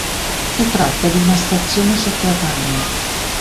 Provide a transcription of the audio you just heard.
Si tratta di una stazione sotterranea.